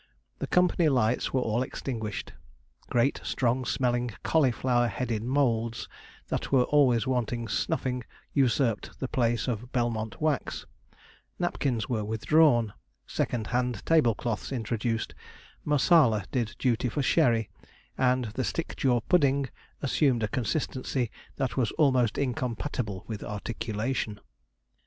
The company lights were all extinguished; great, strong smelling, cauliflower headed moulds, that were always wanting snuffing, usurped the place of Belmont wax; napkins were withdrawn; second hand table cloths introduced; marsala did duty for sherry; and the stickjaw pudding assumed a consistency that was almost incompatible with articulation.